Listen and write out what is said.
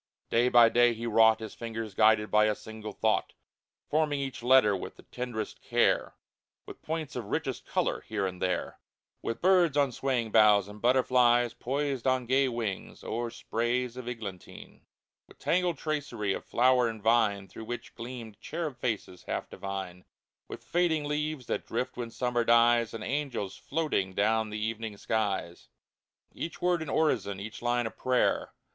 Day by day he wrought, His fingers guided by a single thought ; Forming each letter with the tenderest care, With points of richest color here and there ; With birds on swaying boughs, and butterflies Poised on gay wings o'er sprays of eglantine ; With tangled tracery of flower and vine Through which gleamed cherub faces, half divine ; With fading leaves that drift when summer dies, And angels floating down the evening skies — 144 FRIAR ANSELMO Each word an orison, each line a prayer